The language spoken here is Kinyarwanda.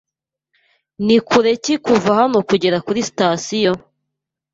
Ni kure ki kuva hano kugera kuri sitasiyo?